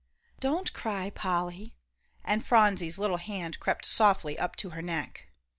"Don't cry, Polly," and Phronsie's little hand crept softly up to her neck.